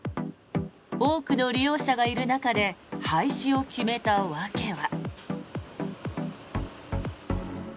多くの利用者がいる中で廃止を決めた訳は。